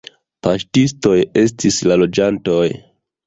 Paŝtistoj estis la loĝantoj.